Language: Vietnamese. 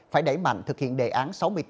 phải đẩy mạnh thực hiện đề án